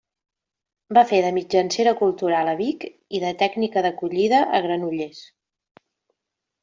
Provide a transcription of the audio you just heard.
Va fer de mitjancera cultural a Vic i de tècnica d'acollida a Granollers.